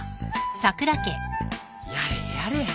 やれやれ。